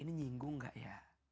ini nyinggung gak ya